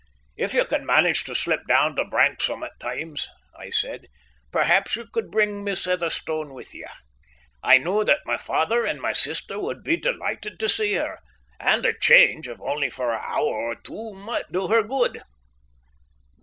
"If you can manage to slip down to Branksome at times," I said, "perhaps you could bring Miss Heatherstone with you. I know that my father and my sister would be delighted to see her, and a change, if only for an hour or two, might do her good."